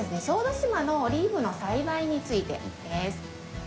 小豆島のオリーブの栽培についてです。